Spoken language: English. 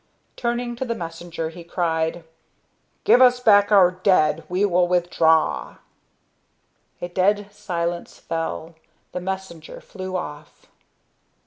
Turning to the messenger, he cried: "Give us back our dead. We will withdraw." A dead silence fell. The messenger flew off.